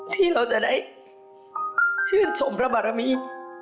ที่เราจะได้ชื่นชมพระบารมี